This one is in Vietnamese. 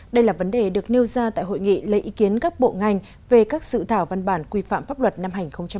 đây là vấn đề được nêu ra tại hội nghị lấy ý kiến các bộ ngành về các sự thảo văn bản quy phạm pháp luật năm hai nghìn một mươi chín